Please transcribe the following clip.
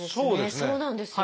そうなんですよ。